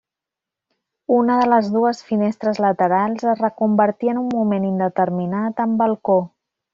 Una de les dues finestres laterals es reconvertí en un moment indeterminat en balcó.